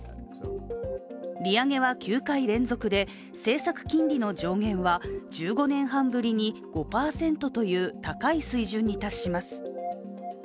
利上げは９回連続で政策金利の上限は１５年半ぶりに５％という高い水準に達します。